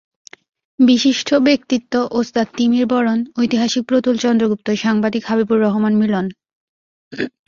বিশিষ্ট ব্যক্তিত্ব—ওস্তাদ তিমির বরণ, ঐতিহাসিক প্রতুল চন্দ্রগুপ্ত, সাংবাদিক হাবিবুর রহমান মিলন।